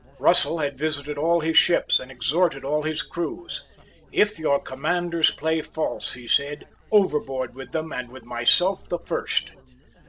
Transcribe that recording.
Russell had visited all his ships, and exhorted all his crews. "If your commanders play false," he said, "overboard with them, and with myself the first."